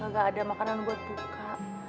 gak ada makanan buat buka